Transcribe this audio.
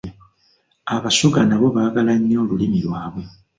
Abasoga nabo baagala nnyo olulimi lwabwe.